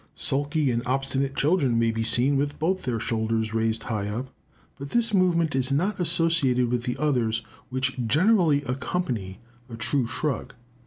Sulky and obstinate children may be seen with both their shoulders raised high up; but this movement is not associated with the others which generally accompany a true shrug.